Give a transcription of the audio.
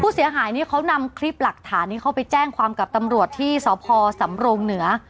ผู้เสียหายนี่เขานำคลิปหลักฐานนี้เขาไปแจ้งความกับตำรวจที่สพสำรงเหนือ